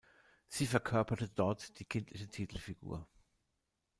Sie verkörperte dort die kindliche Titelfigur.